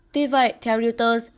tuy vậy theo reuters